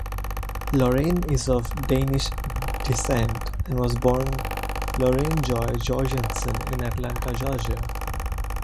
Lauren is of Danish descent and was born Lauren Joy Jorgensen in Atlanta, Georgia.